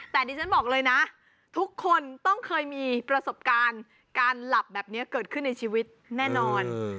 แต่ดิฉันบอกเลยนะทุกคนต้องเคยมีประสบการณ์การหลับแบบนี้เกิดขึ้นในชีวิตแน่นอน